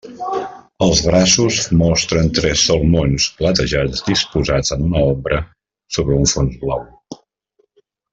Els braços mostren tres salmons platejats disposats en una ombra sobre un fons blau.